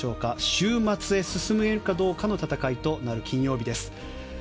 週末へ進めるかどうかという金曜日です。